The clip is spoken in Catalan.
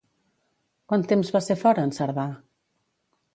Quant temps va ser fora en Cerdà?